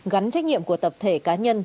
gắn trách nhiệm của tập thể cá nhân